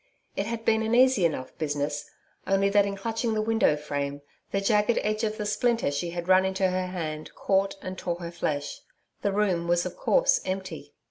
It had been an easy enough business, only that in clutching the window frame, the jagged end of the splinter she had run into her hand caught and tore her flesh. The room was of course empty.